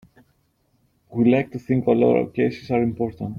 We like to think all our cases are important.